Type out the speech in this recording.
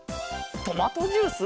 トマトジュース？